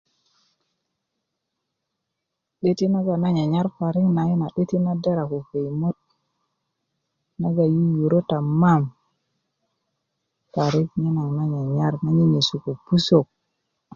'döti' nagoŋ nan nyanyar parik na yi a 'doti' na dera ko köyimö nagoŋ yuyurö tamam parik nye na nan nyanyar nan nyenyesu ko pusök